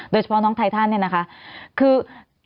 โดยเฉพาะน้องไททันเนี่ยนะคะคือ